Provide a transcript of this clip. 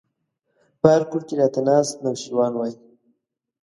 په هر کور کې راته ناست نوشيروان وای